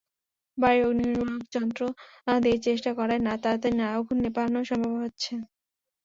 বাড়ির অগ্নিনির্বাপক যন্ত্র দিয়ে চেষ্টা করায় তাড়াতাড়ি আগুন নেভানো সম্ভব হয়েছে।